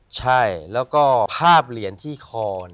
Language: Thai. ใช่แล้วก็ภาพเหรียญที่คอ